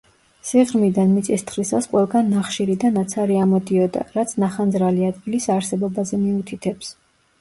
სიღრმიდან მიწის თხრისას ყველგან ნახშირი და ნაცარი ამოდიოდა, რაც ნახანძრალი ადგილის არსებობაზე მიუთითებს.